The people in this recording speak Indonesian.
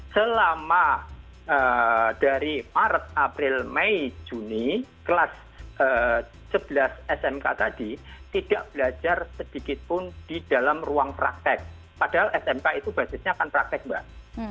selama dari maret april mei juni kelas sebelas smk tadi tidak belajar sedikitpun di dalam ruang praktek padahal smk itu basisnya akan praktek mbak